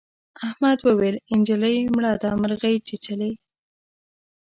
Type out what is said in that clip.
احمد وويل: نجلۍ مړه ده مرغۍ چیچلې.